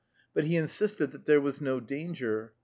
But he insisted that there was no danger.